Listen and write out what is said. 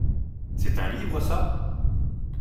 C'est un livre ça ?